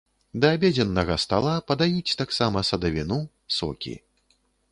Да абедзеннага стала падаюць таксама садавіну, сокі.